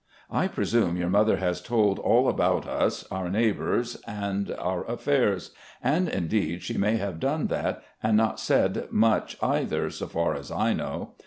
I presume your mother has told all about us, our neighbours and our affairs. And indeed she may have done that and not said much either, so far as I know.